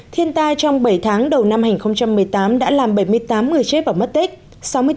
thiên tai trong bảy tháng đầu năm hai nghìn một mươi tám đã làm bảy mươi tám người chết và mất tích